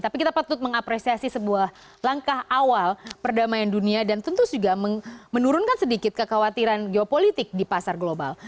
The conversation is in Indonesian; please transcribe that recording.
tapi kita patut mengapresiasi sebuah langkah awal perdamaian dunia dan tentu juga menurunkan sedikit kekhawatiran geopolitik di pasar global